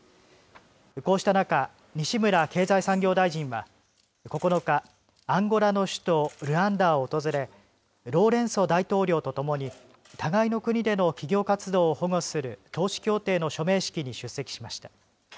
こうした中、西村経済産業大臣は９日、アンゴラの首都ルアンダを訪れ、ロウレンソ大統領とともに互いの国での企業活動を保護する投資協定の署名式に出席しました。